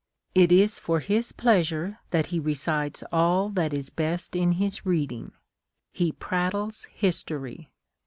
It is for his pleasure that he recites all that is best in his reading: he prattles history.